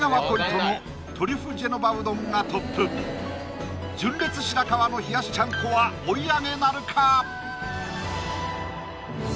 斗のトリュフジェノバうどんがトップ「純烈」・白川の冷やしちゃんこは追い上げなるか？